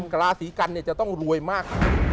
กราศีกัณฑ์เนี่ยจะต้องรวยมาก